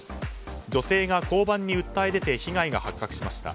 女性が交番に訴え出て被害が発覚しました。